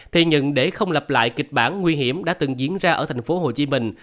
thế nhưng để không lặp lại kịch bản nguy hiểm đã từng diễn ra ở thành phố hồ chí minh